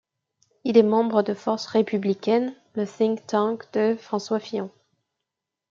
Il est membre de Force républicaine, le think tank de François Fillon.